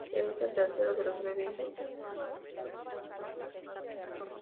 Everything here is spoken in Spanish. Es el tercero de los nueve hijos de Katherine y Joseph Jackson.